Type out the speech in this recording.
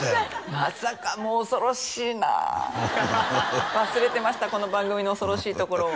まさかもう恐ろしいなハハハ忘れてましたこの番組の恐ろしいところを